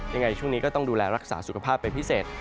ยังไงช่วงนี้ก็ต้องดูแลรักษาสุขภาพเป็นพิเศษ